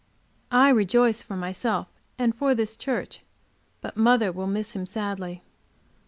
I rejoice for myself and for this church, but mother will miss him sadly.